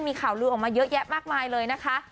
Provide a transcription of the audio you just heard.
มีข่าวลือออกมาเยอะแยะมากมายเลยนะคะ